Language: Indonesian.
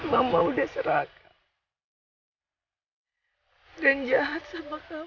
mama udah seraga dan jahat sama kamu